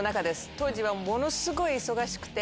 当時はものすごい忙しくて。